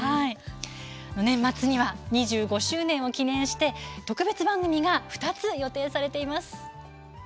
年末には２５周年を記念して特別番組が２つ予定されています。